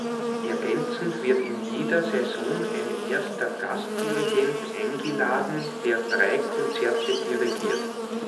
Ergänzend wird in jeder Saison ein „Erster Gastdirigent“ eingeladen, der drei Konzerte dirigiert.